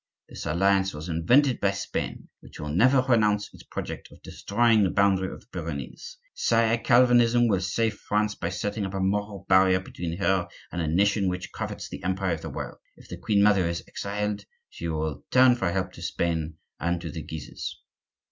This alliance was invented by Spain, which will never renounce its project of destroying the boundary of the Pyrenees. Sire, Calvinism will save France by setting up a moral barrier between her and a nation which covets the empire of the world. If the queen mother is exiled, she will turn for help to Spain and to the Guises."